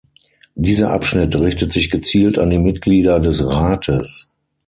Dieser Abschnitt richtet sich gezielt an die Mitglieder des Rates.